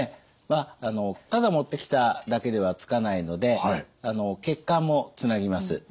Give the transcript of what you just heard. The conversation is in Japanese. まあただ持ってきただけではつかないので血管もつなぎます。